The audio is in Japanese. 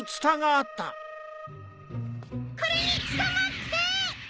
これにつかまって！